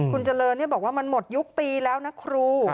คุณเจริญบอกว่ามันหมดยุคปีแล้วนะครู